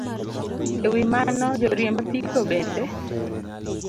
E wi mano, joriemb apiko bende